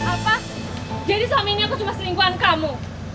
apa jadi suami ini aku cuma seringguan kamu